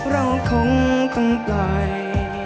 เราคงต้องปล่อย